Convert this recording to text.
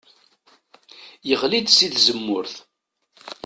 Yeɣli-d si tzemmurt.